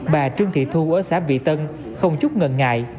bà trương thị thu ở xã vị tân không chút ngần ngại